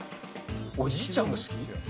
おじいちゃんが好き？